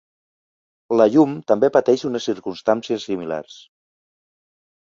La llum també pateix unes circumstàncies similars.